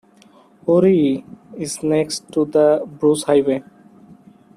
Woree is next to the Bruce Highway.